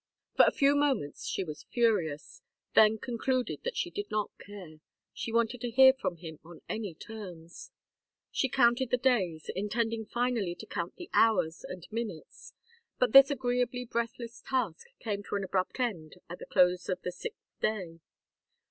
For a few moments she was furious, then concluded that she did not care; she wanted to hear from him on any terms. She counted the days, intending finally to count the hours and minutes; but this agreeably breathless task came to an abrupt end at the close of the sixth day.